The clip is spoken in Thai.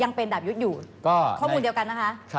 ยังเป็นดาบยุทธ์อยู่ก็ข้อมูลเดียวกันนะคะ